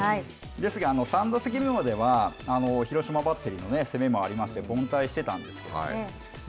ですが、３打席目までは、広島バッテリーの攻めもありまして、凡退してたんですけど。